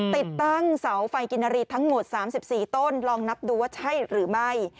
ติดตั้งเสาไฟกินนารีทั้งหมด๓๔ต้นลองนับดูว่าใช่หรือไม่